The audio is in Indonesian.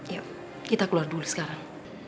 yuk kita keluar dulu sekarang